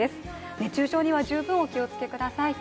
熱中症には十分お気をつけください。